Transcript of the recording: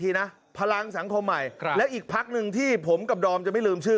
ทีนะพลังสังคมใหม่และอีกพักหนึ่งที่ผมกับดอมจะไม่ลืมชื่อ